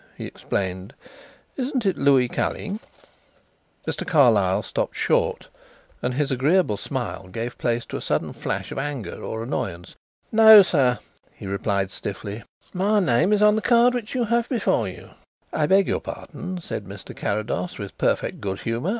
he explained. "Isn't it Louis Calling?" Mr. Carlyle stopped short and his agreeable smile gave place to a sudden flash of anger or annoyance. "No sir," he replied stiffly. "My name is on the card which you have before you." "I beg your pardon," said Mr. Carrados, with perfect good humour.